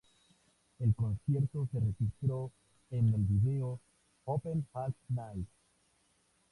El concierto se registró en el video "Open All Night".